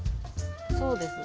そうです。